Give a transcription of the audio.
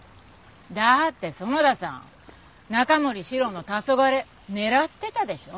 だって園田さん中森司郎の『黄昏』狙ってたでしょ？